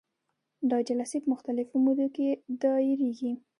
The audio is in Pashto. دا جلسې په مختلفو مودو کې دایریږي.